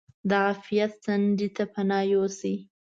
د عافیت څنډې ته پناه یوسي.